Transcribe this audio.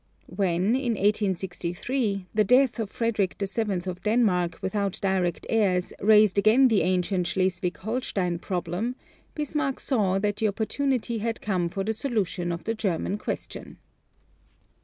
When, in 1863, the death of Frederick VII. of Denmark without direct heirs raised again the ancient Schleswig Holstein problem, Bismarck saw that the opportunity had come for the solution of the German question.